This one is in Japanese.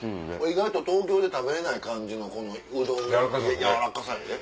意外と東京で食べれない感じのうどんの軟らかさやで。